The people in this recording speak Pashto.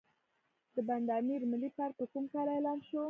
د بند امیر ملي پارک په کوم کال اعلان شو؟